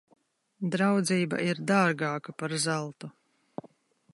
Draudzība ir dārgāka par zeltu.